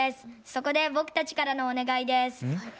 そこで僕たちからのお願いです。